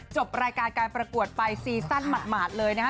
จบรายการการประกวดไปซีซั่นหมาดเลยนะฮะ